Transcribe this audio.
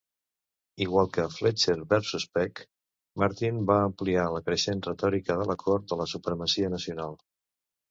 Igual que "Fletcher versus Peck", Martin va ampliar la creixent retòrica de la Cort de la supremacia nacional.